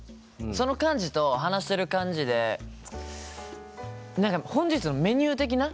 その感じと話してる感じで何か本日のメニュー的な？